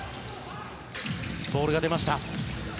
ボールが出ました。